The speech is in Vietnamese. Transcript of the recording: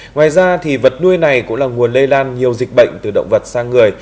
ngoài ra thì vật nuôi này cũng là nguồn lây lan nhiều dịch bệnh từ động vật sang người